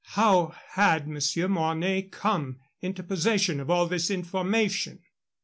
How had Monsieur Mornay come into possession of all this information?